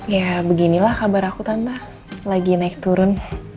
ya beginilah kabar aku tanpa lagi naik turun